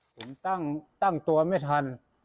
ผมตั้งตัวไม่ทัน